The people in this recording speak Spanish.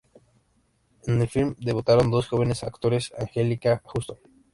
En el film debutaron dos jóvenes actores: Anjelica Huston.